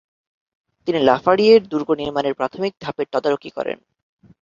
তিনি লাফারিয়ের দুর্গ নির্মাণের প্রাথমিক ধাপের তদারকি করেন।